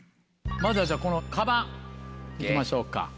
まずはじゃあこのかばん行きましょうか。